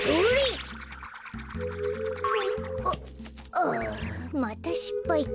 あまたしっぱいか。